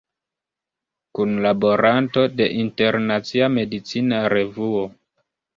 Kunlaboranto de Internacia Medicina Revuo.